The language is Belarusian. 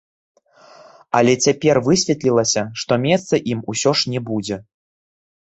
Але цяпер высветлілася, што месца ім усё ж не будзе.